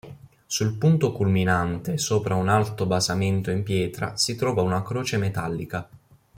Sul punto culminante sopra un alto basamento in pietra si trova una croce metallica.